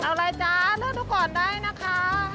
เอาอะไรจ๊ะเลือกดูก่อนได้นะคะ